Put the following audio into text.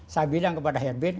saya bilang kepada herbin